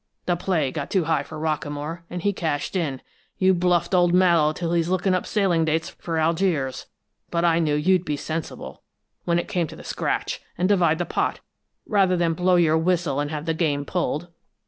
The play got too high for Rockamore, and he cashed in; you've bluffed old Mallowe till he's looking up sailing dates for Algiers, but I knew you'd be sensible, when it came to the scratch, and divide the pot, rather than blow your whistle and have the game pulled!"